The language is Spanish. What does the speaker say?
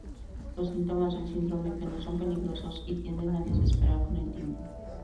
Los síntomas del síndrome no son peligrosos y tienden a desaparecer con el tiempo.